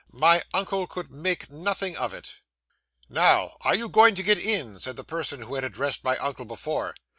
My uncle could make nothing of it. '"Now, are you going to get in?" said the person who had addressed my uncle before.